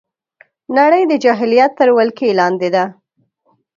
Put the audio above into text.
نړۍ د جاهلیت تر ولکې لاندې ده